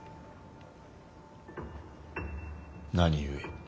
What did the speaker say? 何故。